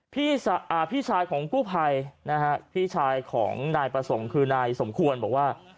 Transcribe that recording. พี่ชายของกู้ภัยนะฮะพี่ชายของนายประสงค์คือนายสมควรบอกว่า